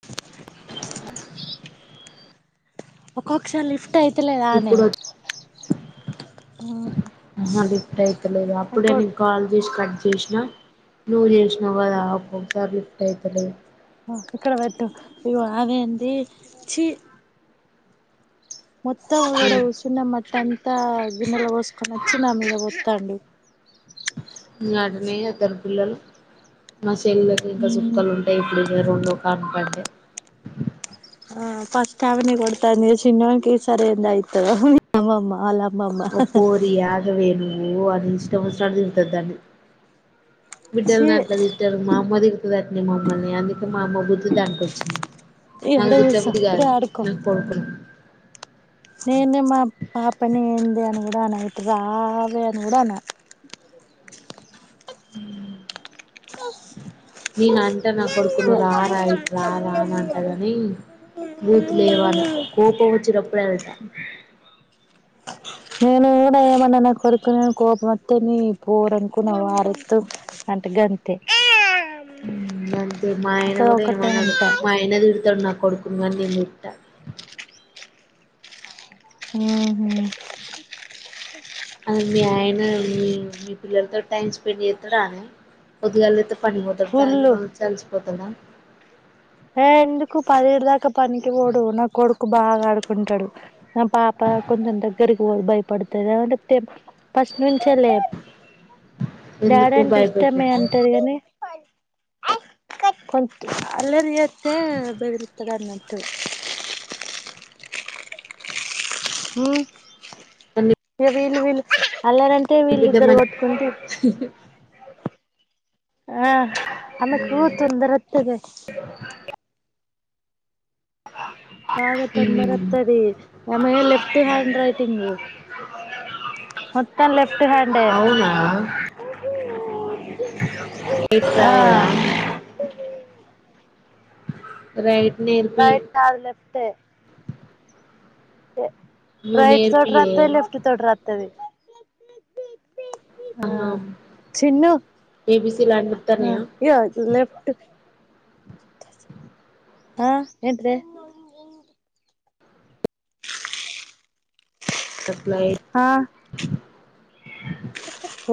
Tea ఒక్కొక్ష lift ట్టయితులేదనే ఇప్పుడు ఓహో రై లేదు అప్పుడే నెన్ కాల్ చేసి కట్ చేసి ఆ నువ్వు చేసినావు కదా ఒక్కొసారి లిఫ్ట్ అవుతలే ఆ ఇక్కడ పెట్టు ఇ అదేంది చీ మొత్తం ఇడా కూసోని మట్ట అంతా గిన్నెల వసుకొని వచ్చి నా మీద వస్తాండు నాడ్నే ఇధారు పిల్లలు మా చెల్లకి ఇంకా సుక్కాలు ఉంటాయి ఇప్పుడు ఏరుళు కనుపండి ఆ ఫట్వని కొడతాంది చిన్నవకి సారి అయింధి అయతధి అమ్మ మాలా ఓ పోరి అగావే ని ఓ అది ఇష్టం వచ్చినడు తిరుగుతంది దాన్ని ఛీ బిడ్డలని అట్లా దిట్టలు మా అమ్మ తిగుతుంది అట్ని మామ్మల్ని అందుకే మా అమ్మ బుద్ధి దానికి వచ్చింది ఈడ నాకు దిట్ట కూసో బుద్ది ఈడ కాదు నాకు కొడుకున్నా నేను మా పాపాని ఇది అనీ కూడా అనను ఇటురావే అని కూడా అనా మ్ నేను అంటా నా కొడుకును రా రా ఇట్ రా రా అని అంటగాని బూతు లేవ్ అన అన కోపం వచ్చినప్పుడు ఇప్పుడు ఏంత నేను ఏమన్నా నా కొడుకుమీద కోపం వస్తే నీ పోరనుకున్నా వారత్ అంట గంతే మ్ అంతే మా ఆయన అక్కడ గూడ ఒకటే ఏమనడు అంట మా ఆయన తిడతడు నాకు కొడుకు గాని నేను తిట్టా ఉహు అది మీ ఆయన మీ మీ పిల్లలతో టైమ్ స్పెండ్ చేస్తాడానే పొద్దుగాల లేస్త పనికి పోతడు ఫుల్లు సాయంత్రం వచ్చి అలలిసిపోతడా ఏ ఎందుకు పదిహెడు దాకా పనికి పోడు నా కొడుకు బాగ ఆడుకుంటాడు నా పాప కొంచెం దగ్గరి పోరి భయపడతదా అంటే దేబ్బ ఫస్ట్ నుంచే లేదు డాడి ఎందుకు అంటే ఇష్టమే భయపెట్టకు అంటది గాని [unintelligible] ఎడిస్తే బెదిరిస్తాడన్నట్టు తు మ్ ఇగా వీళ్ళు వీళ్ళు అల్లరి అంటే బిడ్డ వీళ్ళిద్దరు మ కొట్టుకుంటే ఆ ఆమెకు తొందర ఒస్తది బాగా తొందర ఒస్తది ఆమె లెఫ్ట్ హ్యాండ్ రైటింగ్ మొత్తం లెఫ్ట్ హ్యాండే ఇట్ ఆ రాయాలా రైట్ నేర్పి రైట్ కాదు లెఫ్ట్ నువ్వు రైట్ తోటి నేర్పియే రాస్తది లెఫ్ట్ తోటి రాస్తది ఆ ఆహా చిన్ను ఏబీసీలు అన్ని వత్తన్నయా ఇగో లెఫ్ట్ ఆ ఏంటిదె సప్లైయి ఆ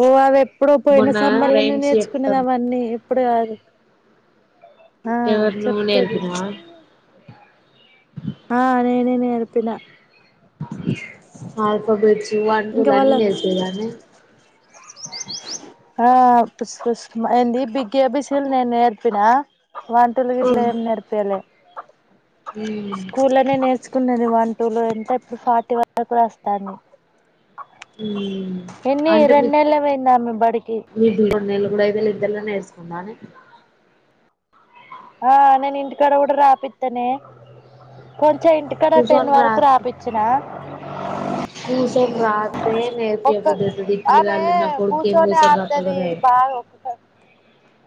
ఓ అవేప్ ఇప్పుడో పోయిన మొన్న సంబర్లో రైమ్స్ నేర్చుకున్నది చెప్తాం అవన్నీ అప్పుడు కాదు ఆ ఎవరు నువ్వు చెప్తది నేర్పినవా ఆ నేనే నేర్పిన ఆల్ఫాబెట్స్ వన్ టూ ఇంకా లన్నీ వాళ్ళ నేర్పిన్ దా అది ఆ పుస్కస్ ఏంది బిగ్ ఏబిసీలు నేను నేర్పిన వన్ టూ లు గిట్లా మ్మ్ ఏం నేర్పియ్యలే స్కూల్ లోనే నేర్చుకున్నది వాళ్ళు లు ఎంత ఇప్పుడు ఫార్టీ వరకు రాస్తాంది మ్మ్ ఎన్ని అంటే మీ రెండునెల్లే పోయింది ఆమె బడికి బైబిల్ ఇద్దరలో నేర్చకుందానే ఆ నేను ఇంటికాడ కూడా రాపిత్తనే కొంచెం ఇంటికాడ టెన్ కూసోని రా వరకు రాపిచ్చిన జ రా ఏం ఒక్క నేర్పియ్యబుద్ది అయితది ఆమె పిల్లగాళ్ళు ఉన్నప్పుడు కూర్చొని కెంగొసహ ఆడుతది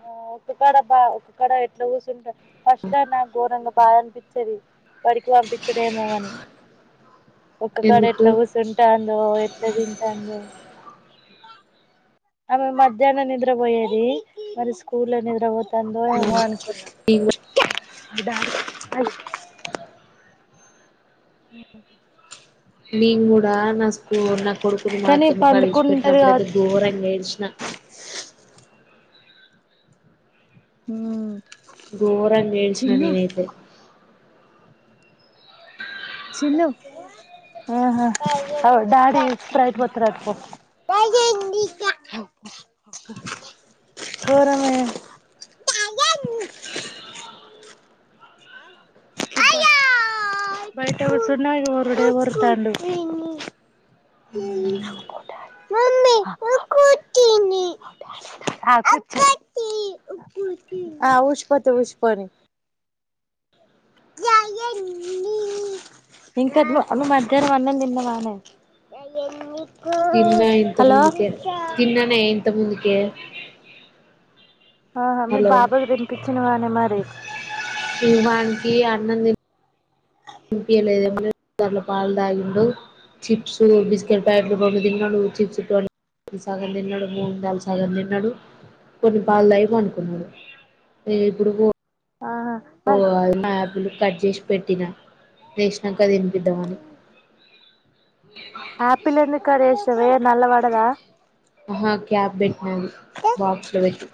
ఆ ఒక కాడ బా ఒక కడ ఎట్లా కూసుంటారు. ఫస్ట్ లో నాకు గోరంగా బాఅనిపించది బడికి పంపించుడేమో కాని ఒక్క కాడ ఎందుకు ఎట్లా కూసుంటాందో లేదండి ఏందో ఆమె మధ్యాహ్నం నిద్ర పోయేది. మరి స్కూల్ లో నిద్ర పోత తందో ఏమో అనుకున్నా అది ఆ నేను కూడా నా స్కూల్లో కొడుకుని కానీ మాత్రము కలిచి పండుకుంటది పెట్టినప్పుడుయితే కావచ్చు ఘోరంగా ఏడ్చిన హ్మ్ గోరంగా ఏడ్చిన నేనైతే చిన్ను అ ఆహా డాడీ స్ప్రైట్ పాటుకోస్తునాడు పో పోరా బాయ్ తగనూ బయట కుసున్న ఇగో వొరుడు వొర్తాండు ఇంక అ మధ్యాహ్నం అన్నం తిన్నవానే తిన్న ఇంతకు హలో ముందుకే తిన్ననే ఇంతకు ముందుకే ఆహా మీ హలో బాబుకి తినిపించినవానే మరి వానికి అన్నం తిన్ తినిపియ్యలేదేం లేదు దాంట్లో పాలు తాగిండు చిప్స్ బిస్కెట్ ప్యాకెట్ రెండు తిన్నడు చిప్స్ ఇవి సగం తిన్నాడు. మూన్ దాల్ సగం తిన్నాడు కొన్ని పాలు తాగి పండుకున్నాడు ఇప్పుడు ఆహా ఓ మరి అల్ యాపిల్ కట్ జేసి పెట్టిన లేేసినంక తినిపిద్దామని ఆపిల్ ఎందుకు కట్ చెస్ వే నల్ల వడదా ఆహా క్యాప్ పెట్ అ బాక్స్లో పెట్టిన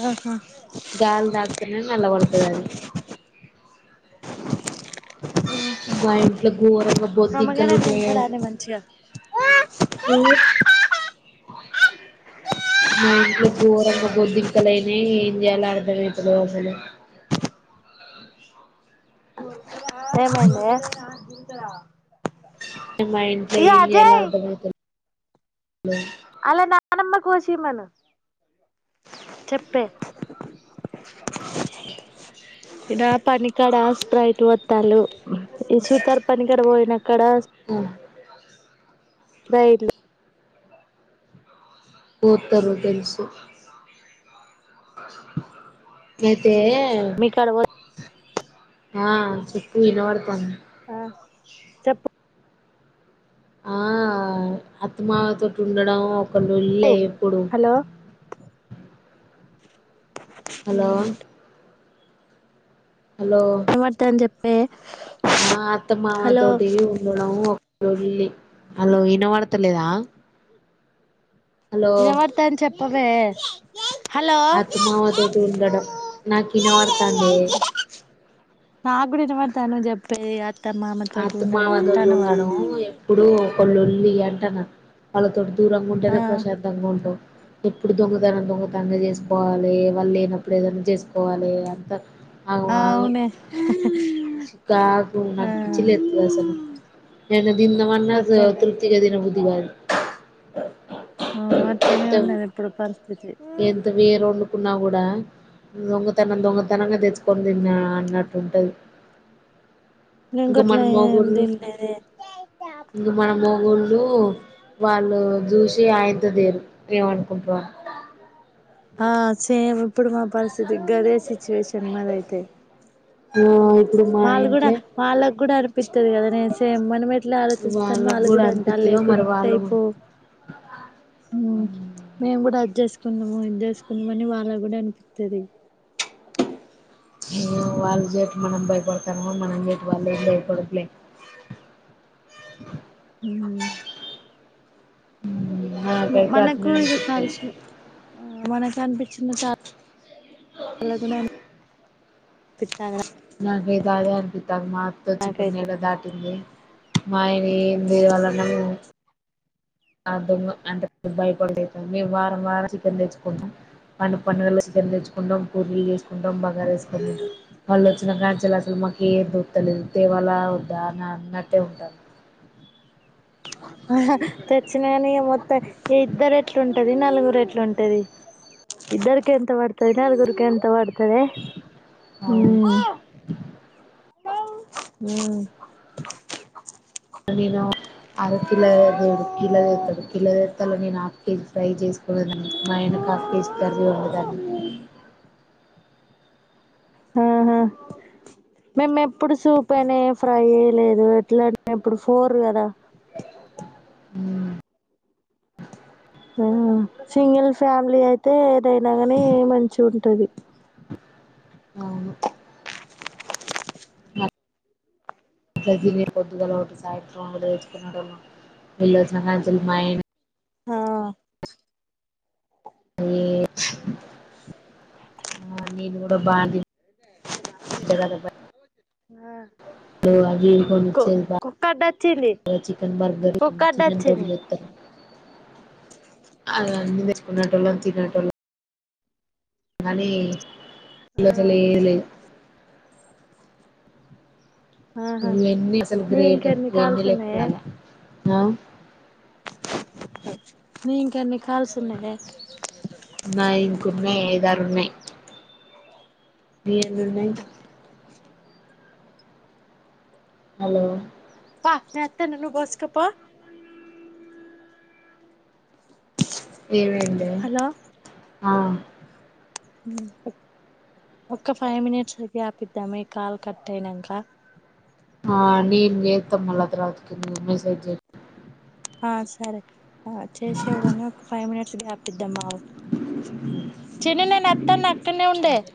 ఆ హ గాలి తాకితనే నల్లబడతది అది మా ఇంట్లో ఘోరంగా బొద్దింకలు మామగారు ఉన్నాయే తింటాడానే మంచిగా ఉ మా ఇంట్లో ఘోరంగా బొద్దింకలేనే ఏం చేయాలో అర్థమైత లేదు అసలు ఏమైందే మా ఇంట్లో ఇగ ఏం చేయాలో అజయ్ అర్ధం అయితలేదు లే వాళ్ళ నానమ్మను కోసి ఇయ్యమను చెప్పే పని కాడ స్ప్రైట్ పోత్తాలు ఈ సూతారు పని కాడ పోయినా అ రైల్ పోతరు తెలుసు వే మీ కాడ వ ఆ చెప్పు వినవాడ్తా ఆ చెప్పు ఆ అత్తా మామ తోటి ఉండడం ఒక లొల్లే ఎప్పుడు హలో హలో హలో ఏమంటాంది చెప్పు ప్పే ఆ అత్తమామ తోటి ఉండడం ఒక లొల్లి హలో ఇన బడతలేదా వినపడతాంది చెప్పవే హలో అత్తమావ తోటి ఉండడం నాకు విన పడతాందే నా కూడా ఇనాపడతాంది నువు చెప్పే ఇగా అత్త మామ తోటి ఉండం ఎప్పుడూ కొళ్ళొల్లి అంటానా వాళ్ళతోని ఆ దూరంగుంటేనే ప్రశాంతంగా ఉంటవ్ ఎప్పుడు దొంగతనం దొంగతనంగా చేసుకోవాలి వాళ్ళు లేనప్పుడు ఏదైనా చేసుకోవాలి అంత ఆగం ఆగం అవునే చికాకు ఆ నాకు పిచ్చి లేస్తది అసలు ఏమన్నా తిందామన్నా అట్లనే తృప్తిగా దిన బ్ దివర్ ఆ అట్ ట్లనే ఉన్నది ఇప్పుడు పరిస్థితి ఎంత వేరు నుకున్నా కూడా దొంగతనం దొంగతనంగా తెచ్చుకొని తిన్నా అన్నట్టుంటది నేను ఇంక గట్లా మన ఏం మొగుళ్ళు తినలేదే ఇంక మన మొగుళ్ ళు వాళ్ళు జూసి ఆయితదేరు ఏమనుకుంటురో [inaudible] ఆ సేమ్ ఇప్పుడు మా పరిస్ధితి గరేసి సిచువేషన్ మాది అయితే [unintelligible] వాళ్ళు కూడా ఇంట్లే వాళ్ళకు కూడా అనిపిత్తది కద నే సేమ్ మనం ఎట్లా ఆలోచిస్తామో వాళ్ళకు వాళ్ళు కూడా అంట అనిపిత్తదో మరి వాళ్ళు లేకుంటైపో ఉమ్ మేము కూడా అడ్జస్ట్ [unintelligible] అని వాళ్ళగ్గూడా అనిపిత్తది వాళ్ళు చెట్ మనం భయపడతానమో మనం చెటు వాళ్ళేం భయపడుత్లే ఊ నాకైతే మనకు అట్నే ఇక అనిపిత్తది కలుసు ఆ మనకు అనిపించినట్ [unintelligible] [unintelligible] నాకు [unintelligible] మా అత్త వచ్చి [unintelligible] నాకైతే నీళ్ళ దాటింది మావి బీర్వలనము ఆ దొంగ [unintelligible] మేము వారం వారం చికెన్ తెచ్చుకుంటాం [unintelligible] చికెన్ తెచ్చుకుంటా పూరీలు చేసుకుంటాం బాగరా వేసుకొని తినటం వాళ్ళు వచ్చిన కడ నుంచి అసలు మాకు ఏం దొరుకుత లేదు తేవాల వద్దా అని అన్నట్టే ఉంటారు తెచ్చినవని మోత ఇద్దరు ఎట్లు ఉంటా నలుగురు ఎట్లుంటది ఇద్దరికి ఎంత పడుతుది నలుగురికి ఎంత [unintelligible] తే మ్మ్ మ్మ్ నేను అర కిల దేవుడు కీలదేత్తడు కిలదేత్తలో నేను హాఫ్ కేజీ ఫ్రై చేసుకూడదని మా అయ్యనకూ హాఫ్ కేజీ కర్రీ ఉండదన్ని ఆహా మేము ఎప్పుడు సూప్ అనే ఫ్రై లేదు ఎట్లా ఎప్పుడు ఫోర్ కదా మ్మ్ ఆ సింగిల్ ఫ్యామిలీ అయితే ఏదైనా కాని మంచి ఉంటది అవును గ జీని పొద్దుగాల ఒకటి సాయంత్రంలో రోజుకు [unintelligible] వెళ్ళొచ్చిన కాంచెల్లి మాయ ఆ యే ఆ నేను కూడా బా [unintelligible] ఓ అవి కు కొనిచ్చేది బా కుక్క అడ్డొచ్చింది చికెన్ బర్గర్ కుక్క చికెన్ తోని అడ్డొచ్చింది చేత్తరు అలా అన్ని తెచ్చుకునేటోళ్ళం తినేటోళ్ళం అని ఆ ఇగసలే లే ఆహా ఎన్ని అసలు నీ గ్రేట్ ఇంకెన్ని ఎన్ని కాల్స్ [unintelligible] నౌ మీకెన్ని కాల్స్ ఉన్నదే మేదారు ఉన్నాయి మీ ఎన్నున్నయి హలో పా నేనొత్తను నువ్ పోసుకోపో ఏమైందే హలో ఆ ఒక్క ఫైవ్ మినిట్స్ చూపి ఆపిద్దామే ఈ కాల్ కట్ అయినంక ఆ నేను చెత్తామళ్ళ తరువాతకి నువ్ మెసేజ్ చెయ్ ఆ సరే ఆ చేసేవ్ గానీ ఫైవ్ మినిట్స్ గ్యాప్ ఇద్దామా చిన్ని నేను అత్తాన్నా అక్కడనే ఉండే చెయ్